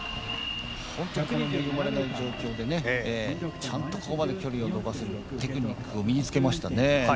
本当に、恵まれない状況でねちゃんとここまで距離を伸ばせるテクニックを身につけましたね。